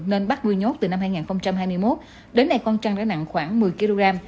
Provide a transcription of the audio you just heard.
nên bắt nuôi nhốt từ năm hai nghìn hai mươi một đến nay con trăn đã nặng khoảng một mươi kg